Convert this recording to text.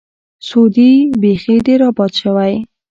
سعودي بیخي ډېر آباد شوی.